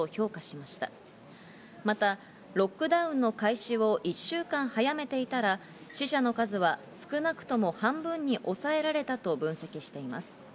またロックダウンの開始を１週間早めていたら死者の数は少なくとも半分に抑えられたと分析しています。